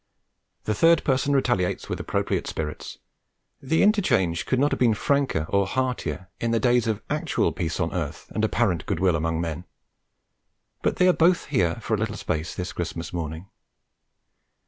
The third person retaliates with appropriate spirit; the interchange could not have been franker or heartier in the days of actual peace on earth and apparent good will among men. But here they both are for a little space this Christmas morning.